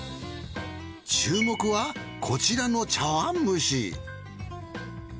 注目はこちらの茶碗蒸し。